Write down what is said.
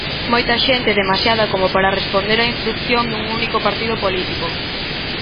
Moita xente, demasiada como para responder á instrución dun único partido político.